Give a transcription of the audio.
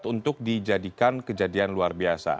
untuk dijadikan kejadian luar biasa